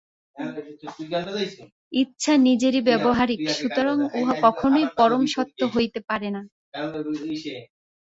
ইচ্ছা নিজেই ব্যাবহারিক, সুতরাং উহা কখনই পরম সত্য হইতে পারে না।